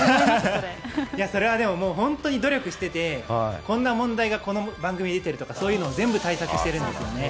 いや、それでも本当に努力してて、こんな問題がこの番組に出てるとか、そういうのを全部対策してるんですよね。